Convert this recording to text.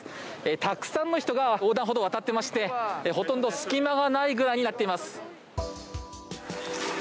たくさんの人が横断歩道、渡っていましてほとんど隙間がないぐらいになっています。